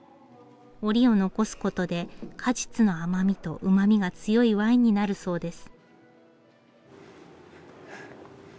オリを残すことで果実の甘みとうまみが強いワインになるそうです。